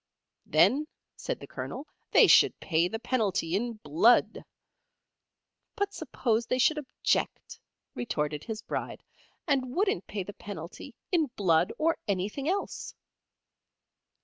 Then, said the Colonel, they should pay the penalty in Blood. But suppose they should object, retorted his bride, and wouldn't pay the penalty in Blood or anything else?